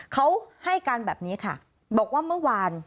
เขาให้การแบบนี้ค่ะบอกว่าเมื่อวาน